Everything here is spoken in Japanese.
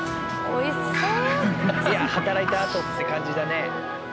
いや働いたあとって感じだね。